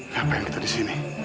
kenapa yang kita di sini